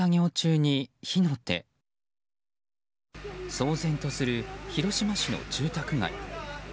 騒然とする広島市の住宅街。